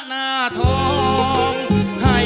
ไม่ใช้